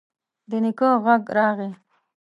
د نيکه غږ راغی: